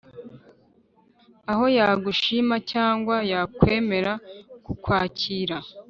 aho yagushima cyangwa yakwemera kukwakira?